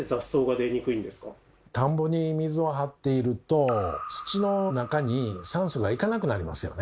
田んぼに水を張っていると土の中に酸素が行かなくなりますよね。